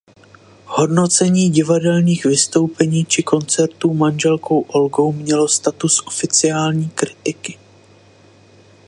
Hodnocení divadelních vystoupení či koncertů manželkou Olgou mělo statut oficiální kritiky.